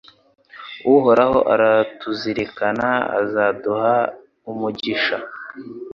Uhoraho aratuzirikana azaduha umugisha